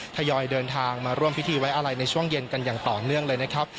ทยอยเดินทางมาร่วมพิธีไว้อะไรในช่วงเย็นกันอย่างต่อเนื่องเลยนะครับ